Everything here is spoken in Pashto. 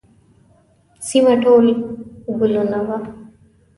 سیمه ټول ګلونه وه.